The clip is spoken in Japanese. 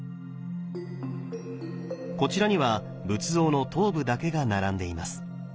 こちらには仏像の頭部だけが並んでいます。